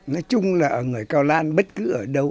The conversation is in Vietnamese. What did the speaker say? nói chung là ở người cao lan bất cứ ở đâu